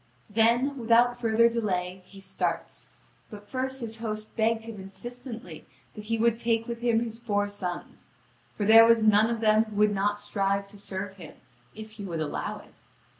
Then, without further delay, he starts. But first his host begged him insistently that he would take with him his four sons: for there was none of them who would not strive to serve him, if he would allow it.